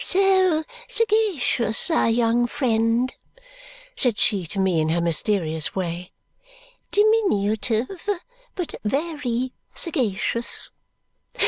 "So sagacious, our young friend," said she to me in her mysterious way. "Diminutive. But ve ry sagacious!